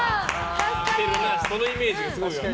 そのイメージはすごいある。